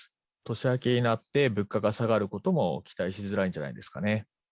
年明けになって物価が下がることも期待しづらいんじゃないですかね。